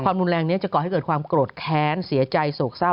รุนแรงนี้จะก่อให้เกิดความโกรธแค้นเสียใจโศกเศร้า